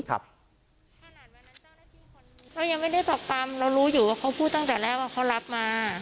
เรายังไม่ได้ตอบตามเรารู้อยู่ว่าเขาพูดตั้งแต่แรกว่าเขารับมา